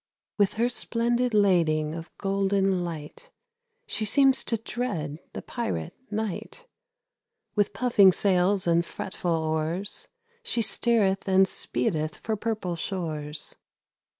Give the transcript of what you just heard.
With her splendid lading of golden light She seems to dread the pirate Night; With puffing sails and fretful oars She steereth and speedeth for purple shores.